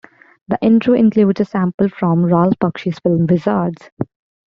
The Intro includes a sample from Ralph Bakshi's film "Wizards".